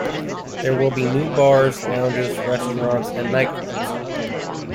There will be new bars, lounges, restaurants and nightclubs.